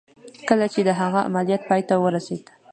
کله چې د هغه عملیات پای ته ورسېد